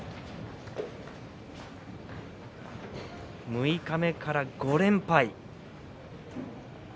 六日目から５連敗。